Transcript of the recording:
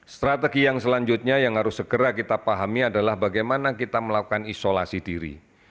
strategi yang selanjutnya yang harus segera kita pahami adalah bagaimana kita melakukan isolasi diri